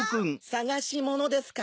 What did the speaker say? ・さがしものですか？